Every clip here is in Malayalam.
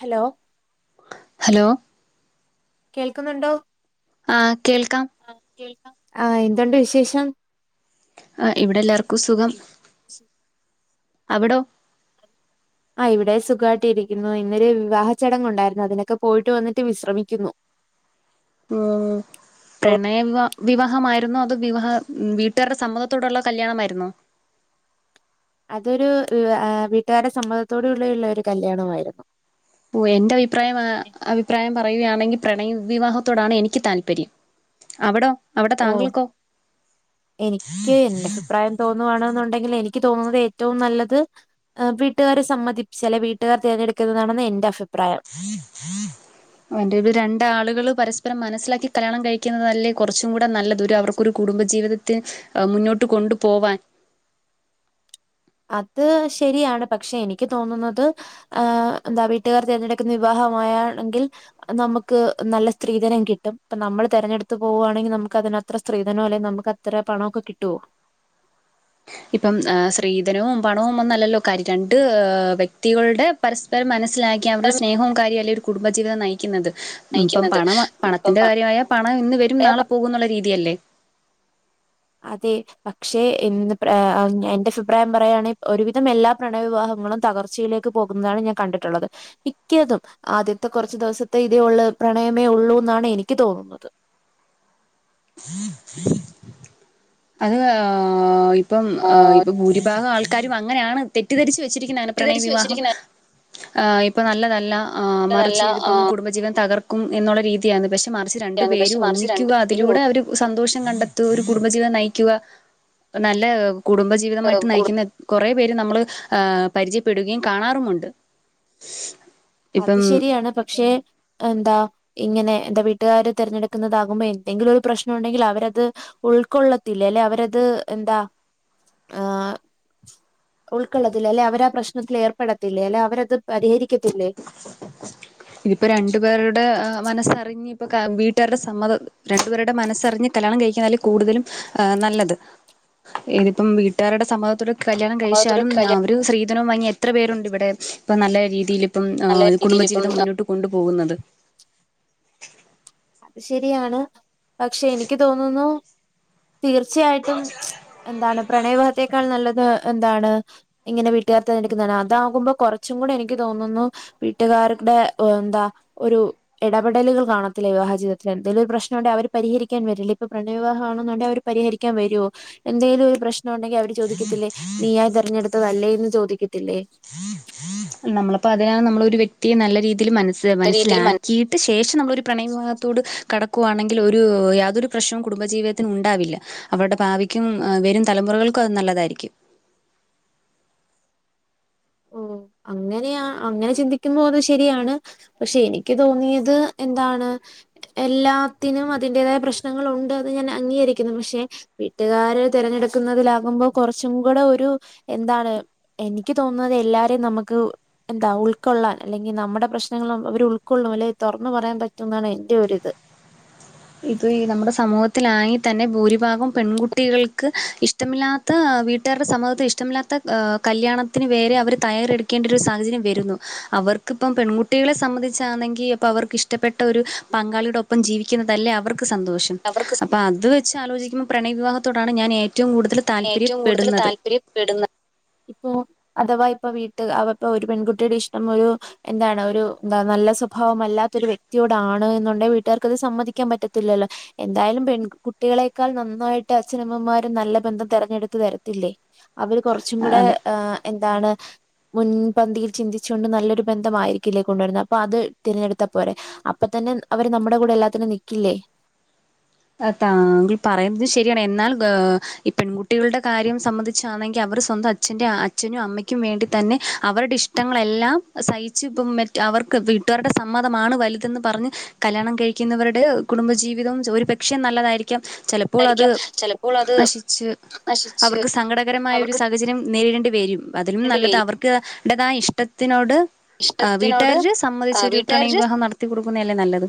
ഹലോ ഹലോ കേൾക്കുന്നുണ്ടോ ആഹ് കേൾക്കാം ആഹ് എന്തുണ്ട് വിശേഷം ആഹ് ഇവിടെ എല്ലാർക്കും സുഖം അവിടോ ആഹ് ഇവിടെ സുഖമായിട്ടിരിക്കുന്നു ഇന്നൊരു വിവാഹ ചടങ്ങ് ഉണ്ടായിരുന്നു അതിനൊക്കെ പോയിട്ട് വന്നിട്ട് വിശ്രമിക്കുന്നു ഉം പ്രണയ വിവാ വിവാഹമായിരുന്നോ അതോ വിവാഹ വീട്ടുകാരുടെ സമ്മതത്തോടുള്ള കല്യാണമായിരുന്നോ അതൊരു വീട്ടുകാരെ സമ്മതത്തോടുള്ളുള്ള ഒരു കല്യാണമായിരുന്നു ഓഹ് എന്റെ അഭിപ്രായം അഭിപ്രായം പറയുകയാണെങ്കിൽ പ്രണയ വിവാഹത്തോടാണ് എനിക്ക് താല്പര്യം അവിടോ അവിടെ ഓഹ് താങ്കൾക്കോ എനിക്ക് എന്റെ അഭിപ്രായം തോന്നുവാണന്നുണ്ടെങ്കിൽ എനിക്ക് തോന്നുന്നത് ഏറ്റവും നല്ലത്. വീട്ടുകാരെ സമ്മതിപ്പിച്ച് അല്ലെ വീട്ടുകാർ തിരഞ്ഞെടുക്കുന്നതാണെന്ന എന്റെ അഭിപ്രായം. [unintelligible] ന്റെ രണ്ട് ആളുകൾ പരസ്പരം മനസ്സിലാക്കി കല്യാണം കഴിക്കുന്നത്തല്ലേ കുറച്ചും കൂടെ നല്ലത് ഒരു അവർ ഒരു കുടുംബജീവിതത്തി മുന്നോട്ട് കൊണ്ടു പോവാൻ അത് ശരിയാണ് പക്ഷെ എനിക്ക് തോന്നുന്നത് ആഹ് എന്താ വീട്ടുകാർ തിരഞ്ഞെടുക്കുന്ന വിവാഹമായാണെങ്കിൽ നമുക്ക് നല്ല സ്ത്രീധനം കിട്ടും. ഇപ്പ നമ്മള് തെരഞ്ഞെടുത്ത് പോവുയാണെങ്കിൽ നമുക്ക് അ അതിനകത്ത് അത്ര സ്ത്രീധനോ ല്ലെങ്കിൽ നമുക്ക് അത്ര പണമൊക്കെ കിട്ടോ? ഇപ്പം സ്‌ത്രീധനവും പണവും ഒന്നും അല്ലല്ലോ കാര്യം രണ്ട് വ്യക്തികളുടെ പരസ്പരം മനസ്സിലാക്കി അവരുടെ സ്നേഹവും കാര്യവും അല്ലെ ഒരു [unintelligible] കുടുംബജീവിതം നയിക്കുന്നത്. ഇപ്പം നയിക്കുന്നത് പണം ഇപ്പം പണത്തിന്റെ കാര്യമായ പണം ഇന്ന് വരും പണ്ടേ പ നാളെ പോകുന്നുള്ള രീതിയല്ലേ? അതെ. പക്ഷേ ഇന്ന് എന്റെ അഭിപ്രായം പറയുകയാണെങ്കിൽ ഒരുവിധം എല്ലാ പ്രണയവിവാഹങ്ങളും തകർച്ചയിലേ [unintelligible] പോകുന്നതാണ് ഞാൻ കണ്ടിട്ടുള്ളത് മിക്കതും ആദ്യത്തെ കുറച്ച് ദിവസത്തെ ഇതേ ഉള്ളു പ്രണയമേ ഉള്ളൂ എന്നാണ് എനിക്ക് തോന്നുന്നത് [inaudible] അത് ഇപ്പം ആഹ് ഇപ്പൊ ഭൂരിഭാഗം ആൾക്കാരും അങ്ങനെയാണ് തെറ്റിദ്ധരിച്ച് വെച്ചിരിക്ക പ്രണയ തെറ്റിദ്ധരിച്ച് വിവാഹം വെച്ചിരിക്കുന്ന ഹ് ഇപ്പൊ നല്ലതല്ല. മറിച്ച് നല്ലതല്ല ഇതിപ്പോ ആ കുടുംബജീവിതം തകർ ക്കും എന്നുള്ള രീതിയാണ് പക്ഷെ മറിച്ച് രണ്ടു യാണ് പക്ഷെ പേരും മറിച്ച് ഒന്നിക്കുക രണ്ടുപേരും അതിലൂടെ അവർ സന്തോഷം കണ്ടെത്തുക ഒരു കുടുംബജീവിതം നയിക്കുക നല്ല കുടുംബജീവിതമായിട്ട് കൂടു നയിക്കുന്ന എത്രയോ കുറെ പേര് നമ്മൾ പരിചയപ്പെടുകയും ആഹ് കാണാറുമുണ്ട് അത് ഇപ്പം ശരിയാണ് പക്ഷെ എന്താ ഇങ്ങനെ എന്താ വീട്ടുകാര് തിരഞ്ഞെടുക്കുന്നതാകുമ്പോ എന്തെങ്കിലും ഒരു പ്രശ്നം ഉണ്ടെങ്കിൽ അവരത് ഉൾക്കൊള്ളത്തില്ലേ ല്ലെ അവരത് എന്താ ആഹ് ഉൾക്കൊള്ളത്തില്ല അല്ലെ അവര് ആ പ്രശ്നത്തിൽ ഏർപ്പെടത്തില്ലേ അല്ലെ അവരത് പരിഹരിക്കത്തില്ലേ? ഇതിപ്പോ രണ്ടു പേരുടെ മനസ്സറിഞ്ഞു ഇപ്പൊ വീട്ടുകാരുടെ സമ്മതം രണ്ടുപേരുടെ മനസ്സറിഞ്ഞ് കല്യാണം കഴിക്കുന്ന അല്ലേ കൂടുതലും നല്ലത് ഇതിപ്പം വീട്ടാരുടെ സമ്മതത്തോടെ കല്യാണം സമ്മതത്തോടെ കഴിച്ചാലും കല്യാണം അവർ സ്ത്രീധനവും വാങ്ങി എത്ര പേരുണ്ട് ഇവിടെ ഇപ്പോൾ നല്ല രീതിയിൽ. പ്പം നല്ല രീതിയിൽ ഇപ്പം കുടുംബജീവിതം മുന്നോട്ട് കൊണ്ടു പോകുന്നത്. അത് ശരിയാണ്. പക്ഷെ എനിക്ക് തോന്നുന്നു തീർച്ചയായിട്ടും എന്താണ് പ്രണയ വിവാഹത്തേക്കാൾ നല്ലത് എന്താണ് ഇങ്ങനെ വീട്ടുകർ തിരഞ്ഞെടുക്കുന്നതാണ്. അതാകുമ്പോൾ കുറച്ചും കൂടെ എനിക്ക് തോന്നുന്നു വീട്ടുകാരുടെ എന്താ ഒരു ടപെടലുകൾ കാണത്തില്ലേ വിവാഹ ജീവിതത്തിൽ എന്തെലും ഒരു പ്രശ്നം ഉണ്ടായാ അവര് പരിഹരിക്കാൻ വരില്ലേ ഇപ്പൊ പ്രണയവ വിവാഹം ആണെന്നുണ്ടെ അവർ പരിഹരിക്കാൻവര്ഒ? എന്തേലൊരു പ്രശ്നോണ്ടെങ്കി അവര് ചോദിക്കത്തില്ലേ നീ ആ തെരഞ്ഞെടുത്തതല്ലേന്ന് ചോദിക്കത്തില്ലേ? നമ്മളപ്പോ അതിനാണ് നമ്മളൊരു വ്യക്തിയെ നല്ല രീതിൽ മനസ് രീതിയിൽ മന മനസ്സിലാക്കി യ ശേഷം നമ്മളൊരു പ്രണയ വിവാഹത്തോട് കടക്കുകവാണെങ്കിൽ ഒരു യാതൊരു പ്രശ്നവും കുടുംബജീവിതത്തിന് ഉണ്ടാവില്ല. അവരുടെ ഭാവിക്കും വെരും തലമുറകൾക്കും അത് നല്ലതായിരിക്കും ഓഹ് ഓ അങ്ങനെയ അങ്ങനെ ചിന്തിക്കുമ്പോ അത് ശരിയാണ്. പക്ഷെ എനിക്ക് തോന്നിയത് എന്താണ് എല്ലാത്തിനും അതിന്റേതായ പ്രശ്നങ്ങളൊണ്ട് എന്ന് ഞാൻ അംഗീകരിക്കുന്നു പക്ഷെ വീട്ടുകാര് തിരഞ്ഞെടുക്കുന്നതിലാകുമ്പോ കുറച്ചും കൂടെ ഒരു എന്താണ് എനിക്ക് തോന്നു ന്നത് എല്ലാരേം നമുക്ക് ന്താ ഉൾക്കൊള്ളാൻ അല്ലെങ്കി നമ്മടെ പ്രശ്നങ്ങൾ അവരുൾക്കൊള്ളുല്ലെ തുറന്നു പറയാൻ പറ്റും ന്നാണ് എന്റെറെ ഒരിത് ഇപ്പോ ഈ നമ്മുടെ സമൂഹത്തിലാങ്ങി തന്നെ ഭൂരിഭാഗം പെൺകുട്ടികൾക്ക് ഇഷ ഇഷ്ടമില്ലാത്ത വീട്ടാരുടെ സമൂഹത്തിൽ ഇഷ്ടമില്ലാത്ത ക കല്യാണത്തിന് വേരെ അവര് തയ്യാറെടുത്ത ക്കേണ്ടൊരു സാഹചര്യം വരുന്നു. അവർക്കിപ്പം പെൺകുട്ടികളെ സംബന്ധിച്ചാന്നെങ്കിൽ ഇപ്പ വർക്ക് ഇഷ് ഷ്ട്ടപ്പെട്ട ഒരു പങ്കാളിയുടെ ഒപ്പം ജീവിക്കുന്നത തല്ലേ അവർക്ക് സന്തോഷം. അവർക്ക് അപ്പൊ അത് വെച്ച് ആലോചിക്കുമ്പോ പ്രണയ വിവാഹത്തോടാണ് ഞാൻ ഏറ്റവും കൂടുതല് ഏറ്റവും കൂടുതൽ താല്പര്യപ്പെടുന്നത് ഇപ്പോ അഥവാ ഇപ്പ വീട്ട് അവ പ്പൊ ഒരു പെൺകുട്ടിയുടെ ഇഷ്ടം ഒരു എന്താണ് ഒരു എന്താ നല്ല സ്വഭാവമല്ലാത്തൊരു വ്യക്തിയോടാണ് എന്നുണ്ടെ വീട്ടുകാർക്ക് അത് സമ്മതിക്കാൻ പറ്റത്തില്ലല്ലോ? എന്തായാലും പെൺ കുട്ടികളെക്കാൾ നന്നായിട്ട് അച്ഛനമ്മമാരും നല്ല ബന്ധം തെരഞ്ഞെടുത്ത് തരത്തില്ലേ? അവര് കുറച്ചും കൂടെ അതെ ആ എന്താണ് മുൻപന്തിയിൽ ചിന്തിച്ചുകൊണ്ട് നല്ലൊരു ബന്ധമായിരിക്കില്ലേ കൊണ്ടുവരുന്നത്. അപ്പൊ അത് തിരഞ്ഞെടുത്താ പോരെ? അപ്പ തന്നെ അവര് നമ്മടെ കൂടെ എല്ലാത്തിനും നിക്കില്ലേ? അഹ് താങ്കൾ പറയുന്നത് ശരിയാണ് എന്നാൽ ഗേ ഈ പെൺകുട്ടികളുടെ കാര്യം സംബന്ധിച്ചാണെങ്കി അവർ സ്വന്തം അ ച്ഛ്ന്റെ അ അച്ഛനും അമ്മയ്ക്കും വേണ്ടി തന്നെ അവരുടെ ഇഷ്ടങ്ങളെല്ലാം സഹിച്ച് ഇപ്പം മെ അവർക്ക് വീട്ടാരുടെ സമ്മതമാണ് വലുതെന്ന് പറഞ്ഞ് കല്യാണം കഴിക്കുന്നവരുടെ കുടുംബജീവിതവും ചൊ ഒരു പക്ഷേ നല്ലതായിരിക്കാം ചില ണ്ടായിരിക്കാം ചെല നശിച്ച് അവർക്ക് സങ്കടകരമായ ഒരു അവർക്ക് സാഹചര്യം നേരിടേണ്ടി വെരും അതിലും വേണ്ടി നല്ലത് വരും അവർ ക്ക് ടതായ ഇഷ്ടത്തിനോട് ആ ഇഷ്ടത്തിനോട് വീട്ടുകാര് സംമ്മതിച്ചൊരു പ്രണയ വീട്ടുകാര് വിവാഹം നട ത്തി കൊടുക്കുന്നയല്ലേ നല്ലത്.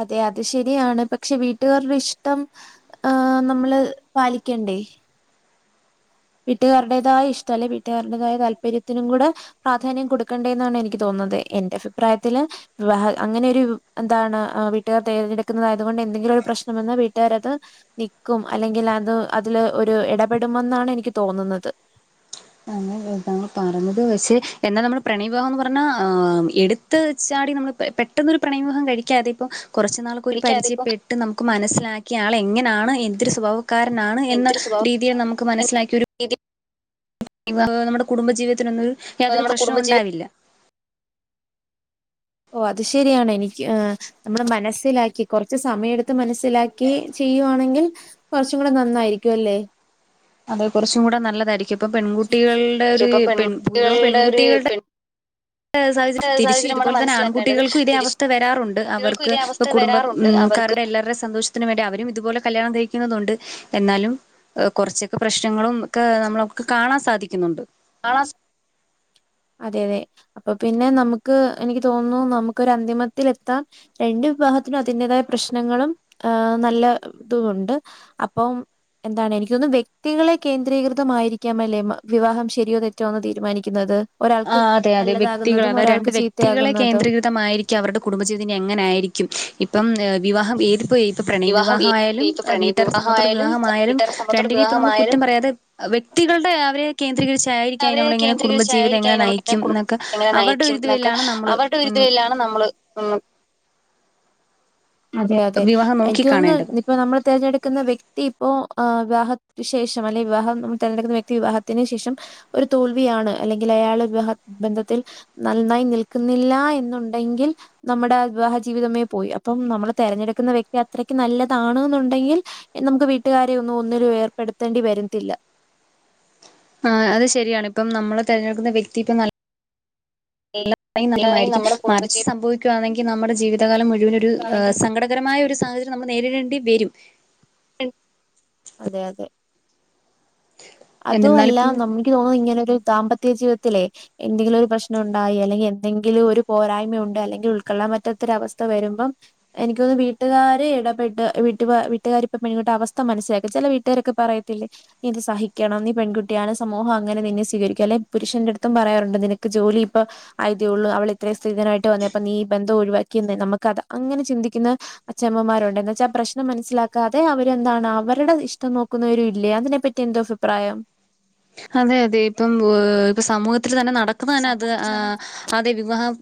അതെ അത് ശരിയാണ് പക്ഷെ വീട്ടുകാരുടെ ഇഷ്ടം ഏഹ് നമ്മള് പാലിക്കണ്ടേ? വീട്ടുകാരുടേതായ ഇഷ്ട്ടം അല്ലെ വീട്ടുകാരുടേതായ താല്പര്യത്തിനും കൂടെ പ്രാധാന്യം കൊടുക്കണ്ടേ എന്നാണ് എനിക്ക് തോന്നുന്നത് എന്റെ അഫിപ്രായത്തില് വിവാഹ അങ്ങനെ ഒരു എന്താണ് അ വീട്ടുകാർ തരഞ്ഞെടുക്കുന്നത് ആയതുകൊണ്ട് എന്തെങ്കിലും ഒരു പ്രശ്നം വന്ന വീട്ടുകാരത് നിക്കും അല്ലെങ്കിലത് അതിലൊരു ഇടപെടുമെന്നാണ് എനിക്ക് തോന്നുന്നത്. അങനെ അല്ല താങ്കൾ പറഞ്ഞത് പഷേ എന്നാ നമ്മള് പ്രണയ വിവാഹം എന്ന് പറഞ്ഞാ എടു ടുത്ത് ചാടി നമ്മള് പെട്ടെന്നൊരു പ്രണയവിവാഹം കഴിക്കാതെ ഇപ്പോ കുറച് നാള് ക്കൊരു എനിക്കതിപ്പോ പരിചയപ്പെട്ട് നമുക്ക് മനസ്സിലാക്കി ആള് എങ്ങനാണ് എന്തൊരു സ്വഭാവ ക്കാരനാണ് എന്ന എന്തൊരു സ്വഭാവ രീതിയിൽ നമുക്ക് മനസ്സിലാക്കിയൊരു വിവാഹോ നമ്മുടെ കുടുംബജീവിതത്തിനൊന്നും യാതൊരു നമ്മുടെ പ്രശ്നവും കുടുംബജീവി ഉണ്ടാവില്ല ഓഹ് അത് ശരിയാണ് എനിക്ക് നമ്മള് മനസ്സിലാക്കി കുറച്ച് സമയം എടുത്ത് മനസ്സിലാക്കി ചെയ്യുവാണെങ്കിൽ കുറച്ചും കൂടെ നന്നായിരിക്കും അല്ലേ? അതെ കുറച്ചും കൂടെ നല്ലതായിരിക്കും. ഇപ്പം പെൺകുട്ടികളുടെ ഒര് ഇപ്പൊ പെൺ ഭൂരിഭാഗം പെൺകുട്ടികളുടെ ഒരു പെൺകുട്ടികൾടെ പെൺ ടെ സാഹചര്യം തിരിച്ചു സാഹചര്യമാണ് ഇതുപോലെ തന്നെ മനസ്സിലാക്കേണ്ടത് ആൺകുട്ടികൾക്കു ഇതേ തിരിച്ച് അവസ്ഥ വരാറുണ്ട് കുട്ടികൾക്കും അവർക്ക് ഇതേ ഇപ്പ അവസ്ഥ കുടുംബ വരാറുണ്ട് അവർക്ക് ക്കാരുടെ എല്ലാരുടെ സന്തോഷ ത്തിനും വേണ്ടി അവരും ഇതുപോലെ കല്യാണം കഴിക്കുന്നുന്നതുണ്ട് എന്നാലും കൊറച്ചൊക്കെ പ്രശ്നങ്ങളും ഒക്കെ നമ്മളൊക്കെ കാണാൻ സാധിക്കുന്നുണ്ട് കാണാൻ സാ അതെ അതെ. അപ്പൊ പിന്നെ നമുക്ക് എനിക്ക് തോന്നുന്നു നമുക്കൊര് അന്തിമത്തിലെത്താൻ രണ്ട് വിഭാഗത്തിനും അതിൻ്റെതായ പ്രശ്നങ്ങളും ഏഹ് നല്ല ഇതുമുണ്ട് അപ്പം എന്താണ് എനിക്ക്യോന്ന്ന്ന് വ്യക്തികളെ കേന്ദ്രീകൃതമായിരിക്കാമല്ലേ വിവാഹം ശരിയോ തെറ്റോന്ന് തീരുമാനിക്കുന്നത് ഒരാൾക്ക് ആഹ് അതെ അതെ വ്യക്തികളെ നല്ലതാകുന്നതും അതത് ഒരാൾക്ക് രണ്ട് വ്യക്തികളെ ചീത്തയാകുന്നതും. കേന്ദ്രീ മായിരിക്കാം അവരുടെ കുടുംബജീവിതം ഇനി എങ്ങനെ ആയിരിക്കും ഇപ്പം വിവാഹം ഏതിപ്പോ ഇപ്പൊ പ്രണയ വിവാഹം ഈ വിവാഹമായാലും ഇപ്പൊ പ്രണയ വീട്ടുകാർടെ സമ്മതത്തോടെ വിവാഹമായാലും വിവാഹമായാലും വീട്ടുകാരുടെ സമ്മതത്തോടെ രണ്ടിനിം ഇപ്പം നമ്മള് വിവാഹമായാലും കുറ്റം പറയാതെ വ്യക്തികൾടെ അവരെ കേന്ദ്രീകരിച്ചായിരിക്കാ ഇനി നമ്മളെ ഇങ്ങനെ കുടുംബജീവി ക്കാം [unintelligible] കുടുംബജീവിതം എങ്ങനെ നയിക്കും ന്നൊക്കെ ഒരിതിലാണ് നമ്മള് അവരുടെ ഒരിത് ആണ് നമ്മള്. [unintelligible] അതെ അതെ. വിവാഹം എനിക്ക് നോക്കിക്കാണേണ്ടത് തോന്നുന്ന് ഇപ്പൊ നമ്മൾ തിരഞ്ഞെടുക്കുന്ന വ്യക്തി ഇപ്പോ ഏഹ് വിവാഹത് ശേഷം അല്ലങ്കിൽ വിവാഹം നമ്മൾ തിരഞ്ഞെടുക്കുന്ന വ്യക്തി വിവാഹ ത്തിന് ശേഷം ഒരു തോൽവിയാണ് അല്ലെങ്കിൽ അയാള വിവാഹ ബന്ധത്തിൽ നന്നായി നിൽക്കുന്നില്ല എന്നുണ്ടെങ്കിൽ നമ്മുടെ വിവാഹ ജീവിതമേ പോയി അപ്പം നമ്മൾ തിരഞ്ഞെടുക്കുന്ന വ്യക്തി അത്രക്ക് നല്ലതാണ് എന്നുണ്ടെങ്കിൽ നമുക്ക് വീട്ടുകാരെ ഒന്നും ഒന്നിനും ഏർപ്പെടുത്തേണ്ടി വരത്തില്ല ആഹ് അത് ശരിയാണ് ഇപ്പം നമ്മള് തെരഞ്ഞെടുക്കുന്ന വ്യക്തി ഇപ്പം നല്ല ഇല്ലെങ്കിൽ നല്ലളരമായിരിക്കും നമ്മുടെ മറിച്ച് കുടുംബജീവിതത്തിലാണെങ്കിൽ സംഭവിക്കുകവാണെങ്കിൽ നമ്മുടെ ജീവിതകാലം മുഴുവനൊ ഒരു സങ്കട സങ്കടകരമായ ഒരു സാഹചര്യം നമ്മൾ നേരിടേണ്ടി വരും അതെ അതെ അതു എന്നിരുന്നാലും അല്ല ഇപ്പം നമുക്ക് തോന്നും ഇങ്ങനെ ഒരു ദാമ്പത്യ ജീവിതത്തിലേ എന്തെങ്കിലും ഒരു പ്രശ്നം ഉണ്ടായി അല്ലെങ്കിൽ എന്തെങ്കിലും ഒരു പോരായ്മ ഉണ്ട് അല്ലെങ്കിൽ ഉൾക്കൊള്ളാൻ പറ്റാത്തൊരവസ്ഥ വരുമ്പം എനിക്കൊന്ന് വീട്ടുകാര് ഇടപെട്ട് വീട്ടുക വീട്ടുകാരിപ്പ പെൺങ്ങിട്ട് അവസ്ഥ മനസ്സിലാക്കും ചില വീട്ടുകാരൊക്കെ പറയത്തില്ലേ നീ ഇത് സഹി ിക്കണംന്ന്ഈ പെൺകുട്ടിയാണ് സമൂഹം അങ്ങനെ നിന്നെ സ്വീകരിക്ക അല്ലെ പുരുഷന്റെ അടുത്തും പറയാറുണ്ട് നിനക്ക് ജോലി ഇപ്പൊ ആയിതേ ഉള്ളൂ അവള ഇത്രയും സ്ത്രിതനായിട്ട് വന്നേ അപ്പൊ നീ ബന്ധം ഒഴിവാക്കിയേ നമുക്ക്ത് അങ്ങനെ ചിന്തിക്കുന്ന അച്ഛമ്മമാരുണ്ട് എന്ന വച്ചാൽ പ്രശ്നം മനസ്സിലാക്കാതെ അവര് എന്താണ് അവരുടെ ഇഷ്ടം നോക്കുന്നവര ഇല്ലേ അതിനെപ്പറ്റി എന്തോ അഭി അഭിപ്രായം അതെ അതെ ഇപ്പം ഇപ്പ സമൂഹത്തിൽ തന്നെ നട അത്് സമൂഹത്തിൽ തന്നെ അതെ വിവാഹം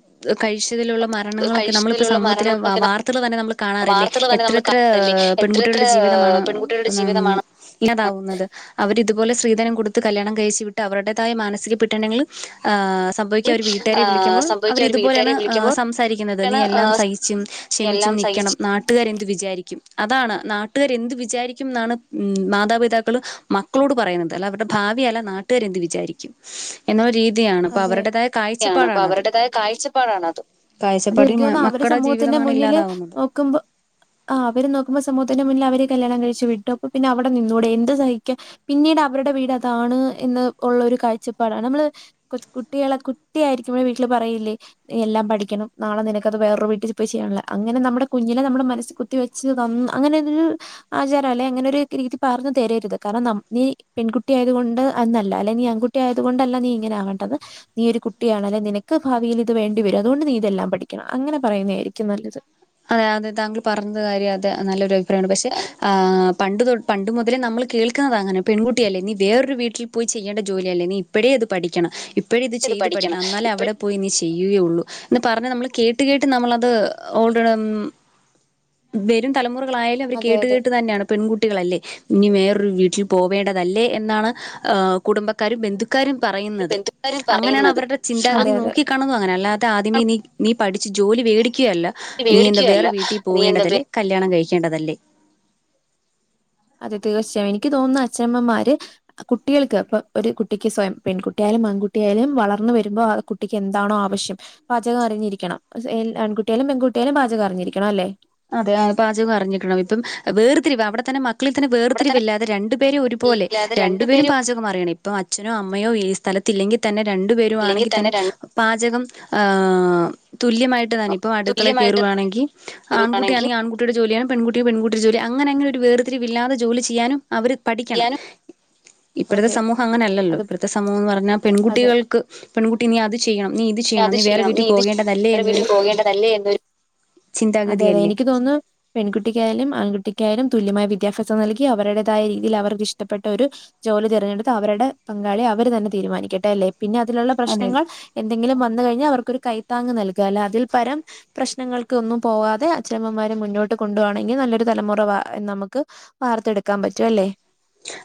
കഴിച്ചതിലുള്ള മരണങ്ങളൊക്കെ നമ്മളിപ്പോ കഴിച്ചതിലുള്ള സമൂഹത്തിലെ മരണങ്ങളൊക്കെ വാർ തന്നെ നമ്മൾ കാണാറില്ലേ വാർത്തകൾ തന്നെ നമ്മൾ എത്രത്ര കാണുന്നില്ലേ എത്ര എത്ര പെൺകുട്ടികളുടെ ജീവിതമാണ് പെൺകുട്ടികളുടെ ഉം ജീവിതമാണ് താവുന്നത് അവരിതുപോലെ സ്ത്രീധനം കൊടുത്ത് കല്യാണം കഴിച്ചുവിട്ട് അവരുടേതായ മാനസിക പെട്ടണങ്ങൾ ആഹ് സംഭവിക്കാൻ അവർ വീട്ടുകാരെ വിളിക്കുമ്പോൾ അവർ സംഭവിക്കുക ഒരു വീട്ടുകാരെ ഇതുപോലെയാണ്് വിളിക്കുമ്പോൾ സംസാരിക്കുന്നത് നീ എല്ലാം സഹിച്ചും ക്ഷമിച്ചു എല്ലാം സഹിച്ച് നിൽക്കണം നാട്ട നാട്ടുകർ എന്ത് വിചാരിക്കും അതാണ് നാട്ടുകർ എന്ത് വിചാരിക്കും എന്നാണ് ഉം മാതാപിതാക്കള് മക്കളോട് പറയുന്നത് അല്ല അവരുടെ ഭവി അല്ല നാട്ടുകാർ എന്ത് വിചാരിക്കും എന്ന രീതിയാണ് അപ്പൊ അതെ അവരുടേതായ യാണ് അപ്പൊ കാഴ്ചപ്പാടാണത് അവരുടേതായ കാഴ്ചപ്പാടാണ് അത് അത് കാഴ്ചപ്പാട് എനിക്ക് മ തോന്നുന്നു അവര് മക്കുടെ സമൂഹത്തിന്റെ ജീവിതമാണ് മുന്നില് ഇല്ലാതാവുന്നത് നോക്കുമ്പോ ആഹ് അവര് നോക്കുമ്പോ സമൂഹത്തിന്റെ മുന്നിൽ അവര് കല്യാണം കഴിച്ചു വിട്ടു അപ്പൊ പിന്നെവിടെ നിന്നുകൂടെ എന്ത് സഹിക്കുക പിന്നീട് അവരുടെ വീട് അതാണ് എന്ന് ഉള്ള ഒരു കാഴ്ചപ്പാടാണ് നമ്മള് കൊ കുട്ടികളെ കുട്ടിയായിരിക്കുമ്പോൾ വീട്ടില് പറയില്ലേ എല്ലാം പഠിക്കണം നാളെ നിനക്കത് വേറൊരു വീട്ടിൽ പോയി ചെയ്യണ അങ്ങനെ നമ്മളെ കുഞ്ഞിനെ നമ്മുടെ മനസ് കുത്തി വെച്ച് ത അങ്ങനെതൊരു ആചാരം അല്ലെ അങ്ങനെ ഒരു രീതി പറഞ്ഞു തരരുത് കാരണം നീ പെൺകുട്ടിയായത് കൊണ്ട് അന്നല്ല അല്ലെ നീ ആൺകുട്ടി കുട്ടി ആയത് കൊണ്ടല്ല നീ ഇങ്ങനെ ആകേണ്ടത് നീയ് ഒരു കുട്ടിയാണല്ലെ നിനക്ക് ഭാവിയിൽ ഇത് വേണ്ടി വരും അതുകൊണ്ട് നീ ഇതെല്ലാം പഠിക്കണം അങ്ങനെ പറയുന്നതായിരിക്കും നല്ലത് അതെ അതെ താങ്കൾ പറഞ്ഞത് കാര്യം അതെ നല്ലൊരു അഭിപ്രായം ആണ് പക്ഷെ ആഹ് പണ്ട് തൊ പണ്ട് മുതലേ നമ്മൾ കേൾക്കുന്നത അങ്ങനെ പെൺകുട്ടി അല്ലേ നീ വേറൊരു വീട്ടിൽ പോയി ചെയ്യേണ്ട ജോലി അല്ലേ നീ ഇപ്പോഴെ അത് പഠിക്കണം ഇപ്പോഴ ഇത് ചെയ്ത് പഠിക്കണം എന്നാലും അവിടെ പോയി നി ചെയ്യുകയുള്ളൂ എന്ന് പറഞ്ഞു നമ്മൾ കേട്ട് കേട്ട് നമ്മളത് കളും വരും തലമുറകളായാലും അവർ അതെ കേട്ട് അതെ കേട്ട് തന്നെയാണ് പെൺകുട്ടികളല്ലേ ഇനി വേറൊരു വീട്ടിൽ പോവേണ്ടതല്ലേ എന്നാണ് കുടുംബക്കാരും ബന്ധു ക്കാരും പറയുന്നത് ബന്ധുക്കാരും അങ്ങനെയാണ് പറയുന്നത് അവരുടെ അതെ ചിന്താഗതി നോക്കി കാണുന്നത് അങ്ങന അല്ലാതെ ആദ്യമേ നീ നീ പഠിച്ച് ജോലി മേടിക്കുകയല്ല അതെ നീ എന്താ വേടിക്കുകയല്ല വേറെ വീട്ടിൽ നീ എന്താ പോവേണ്ടതല്ലേ കല്യാണം കഴിക്കേണ്ടതല്ലേ അതെ തീർച്ചയായും എനിക്ക് തോന്നുന്നു അച്ഛനമ്മമാര് കുട്ടികൾക്ക് ഇപ്പൊ ഒരു കുട്ടിക്ക് സ്വയം പെൺകുട്ടിയായാലും ആൺകുട്ടിയാലും വളർന്ന് വരുമ്പോ ആ കുട്ടിക്ക് എന്താണോ ആവശ്യം പാചകം അറിഞ്ഞിരിക്കണം ആൺകുട്ടിയാലും പെൺകുട്ടിയാലും പാചകം അറിഞ്ഞിരിക്കണം അല്ലേ അതെ ആഹ്‌ പാചകം അറിഞ്ഞിക്കണം ഇപ്പം വേർതിരിവ് അവിടെ തന്നെ മക്കളിൽ തന്നെ അവിടെ തന്നെ വേർതിരിവില്ലാതെ രണ്ടുപേരെ ഒരുപോലെ ഇല്ലാതെ രണ്ടു രണ്ടുപേരും പേരും പാചകം അറിയണം ഇപ്പൊ അച്ഛനോ അമ്മയോ ഈ സ്ഥലത്തില്ലെങ്കിൽ തന്നെ രണ്ടു പേരും ഇല്ലെങ്കിൽ ആണെങ്കിൽ തന്നെ രണ്ടും പാചകം ആഹ് തുല്യമായിട്ട് തന്ന ഇപ്പൊ അടുക്കളെ തുല്യമായിട്ട് കയറുവാണെങ്കിൽ കയറുകയാണെങ്കിൽ ആൺകുട്ടിയാണങ്കിൽ ആൺകുട്ടിയുടെ ജോലിയാണ് പെൺകുട്ടിയാണെ പെൺകട്ടിടെ ജോലി അങ്ങനെങ്ങനെ ഒരു വേർതി രിവ് ഇല്ലാതെ ജോലി ചെയ്യാനും അവര് പഠിക്കണം ചെയ്യാനും ഇപ്പഴത്തെ അതെ സമൂഹം അങ്ങനെല്ലല്ലോ അത് ഇപ്പഴത്തെ സമൂഹംന്ന് പറഞ്ഞാൽ അതെ പെൺകുട്ടികൾക്ക് പെൺകുട്ടി നീ അത് ചെയ്യണം നീ ഇത് ചെയ്യണം നീ വേറെ വീട്ടിൽ പോകേണ്ടതല്ലേ എന്നൊരു ല്ലെ എന്നൊരു അതെ അതെ ചിന്താഗതിയല്ലേ എനിക്ക് തോന്നുന്നു പെൺകുട്ടിക്കായാലും ആൺകുട്ടിക്കായാലും തുല്യമായ വിദ്യാഭ്യാസം നൽകി അവരുടേതായ രീതിയിൽ അവർക്ക് ഇഷ്ടപ്പെട്ട ഒരു ജോലി തിരഞ്ഞെടുത്ത് അവരുടെ പങ്കാളി അവര് തന്നെ തീരുമാനിക്കട്ടെ അല്ലേ പിന്നെ അതിലുള്ള അതെ അതെ പ്രശ്നങ്ങൾ എന്തെങ്കിലും വന്ന കഴിഞ്ഞാ അവർക്കരു കൈത്താങ് നൽകുകല്ല അതിൽ പരം പ്രശ്നങ്ങൾക്ക് ഒന്നും പോവാതെ അച്ഛനമ്മമാര് മുന്നോട്ട് കൊണ്ടുവാണെങ്കിൽ നല്ലൊരു തലമുറ വാ നമുക്ക് വാർത്തെടുക്കാൻ പറ്റും അല്ലേ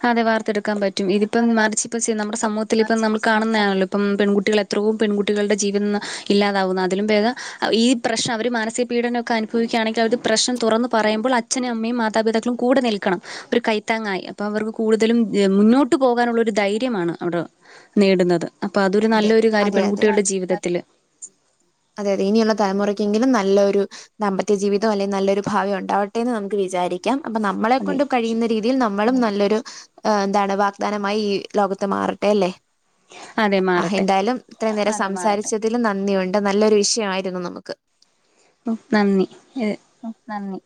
അതെ വാർത്തെടുക്കാൻ പറ്റും ഇതിപ്പം അതെ മറിച്ച് ഇപ്പ ചെയ്യ നമ്മുടെ സമൂഹത്തി ഇപ്പം നമ്മ കാണുന്നതാണല്ലോ ഇപ്പം പെൺകുട്ടികൾ എത്രവും പെൺകുട്ടികളുടെ ജീവിതന്ന് ഇല്ലാതാവുന്നു അതിലും ബേധം ഈ പ്രശ്ന അവർ മാനസിക പീഡനൊക്കെ അനുഭവിക്കുകണങ്കിൽ അവർ പ്രശ്നം തുറന്ന് പറയുമ്പോൾ അച്ഛനും അമ്മയും മാതാപതാക്കളും കൂടെ നിൽക്കണം ഒരു കൈത്താങ്ങായ് അപ്പോൾ അവർക്ക് കൂടുതലും മുന്നോട്ട് പോകാനുള്ള ഒരു ധൈര്യമാണ് അവിടെ നേടുന്നത് അപ്പൊ അതൊരു അതെ നല്ലൊരു കാര്യം അതെ അതെ പെൺകുട്ടികളുടെ നല്ലൊരു ജീവിതത്തില് അതെ അതെ ഇനിയുള്ള തലമുറയ്ക്കെങ്കിലും നല്ലൊരു ദാമ്പത്യ ജീവിതം അല്ലെങ്കിൽ നല്ലൊരു ഭാവി ഉണ്ടാവട്ടെന്ന് നമുക്ക് വിചാരിക്കാം അപ്പൊ നമ്മളെ അതെ കൊണ്ടും കഴിയുന്ന രീതി ഇതിൽ നമ്മളും നല്ലൊരു എന്താണ് വാഗ്ദാനമായി ഈ ലോകത്ത് മാറട്ടെ അല്ലെ അതെ ആഹ് മാറട്ടെ എന്തായാലും ഇത്ര നേരം സംസാരിച്ചതിലും നന്ദിയുണ്ട് നല്ലൊരു വിഷയമായിരുന്നു നമുക്ക് ഉം നന്ദി ഉം നന്ദി